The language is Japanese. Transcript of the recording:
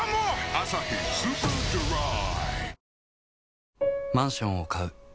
「アサヒスーパードライ」